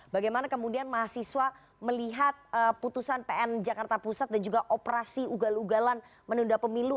bagaimana kemudian mahasiswa melihat putusan pn jakarta pusat dan juga operasi ugal ugalan menunda pemilu